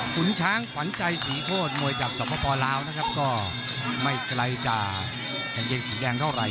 ขุนช้างขวัญใจสีโฆษณ์มวยจากสมปลาลาวนะครับก็ไม่ไกลจากกันเย็นสีแดงเท่าไหร่